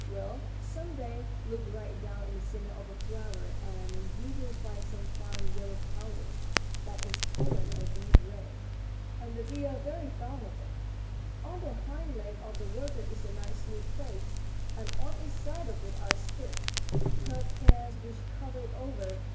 Well, some day look right down in the centre of a flower and you will find some fine yellow powder. That is pollen, or bee bread, and the bees are very fond of it. On the hind leg of the worker is a nice smooth place, and on each side of it are stiff, curved hairs which cover it over.